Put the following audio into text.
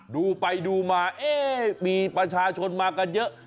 ดูไปดูมามีประชาชนมากันเยอะ